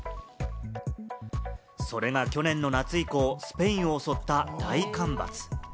それが去年の夏以降、スペインを襲った大干ばつ。